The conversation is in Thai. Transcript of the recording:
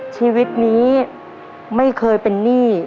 ชีวิตนี้ไม่เคยเป็นหนี้